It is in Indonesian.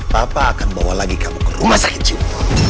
papa akan bawa lagi kamu ke rumah sakit cium